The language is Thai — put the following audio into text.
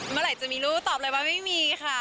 เมื่อไหร่จะมีลูกตอบเลยว่าไม่มีค่ะ